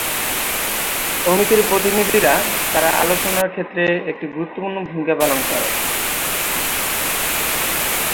সমিতির প্রতিনিধিরা তার আলোচনার ক্ষেত্রে একটি গুরুত্বপূর্ণ ভূমিকা পালন করে।